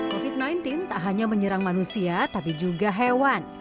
covid sembilan belas tak hanya menyerang manusia tapi juga hewan